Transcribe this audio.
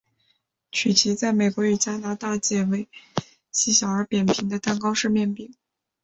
曲奇在美国与加拿大解为细小而扁平的蛋糕式的面饼。